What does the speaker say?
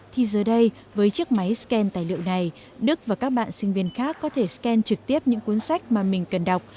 thì giờ đây với chiếc máy scan tài liệu này đức và các bạn sinh viên khác có thể scan trực tiếp những cuốn sách mà mình cần đọc